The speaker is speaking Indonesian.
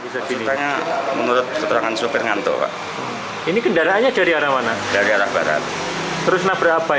warung makan gitu ya